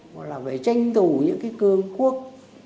phải tranh thủ những cái cường quốc